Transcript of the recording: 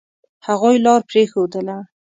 هغوی لار پرېښودله.